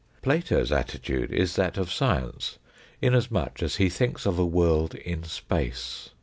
Plato's attitude is that of Science, inasmuch as he thinks of a world in Space.